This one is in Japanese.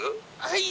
はい。